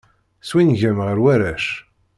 Swingem ɣef warrac.